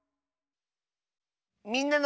「みんなの」。